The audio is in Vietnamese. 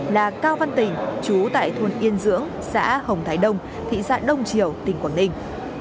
là cao văn tình chú tại thôn yên dưỡng xã hồng thái đông thị xã đông triều tỉnh quảng ninh